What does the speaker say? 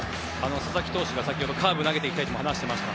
佐々木投手が先ほどカーブを投げていきたいと話していました。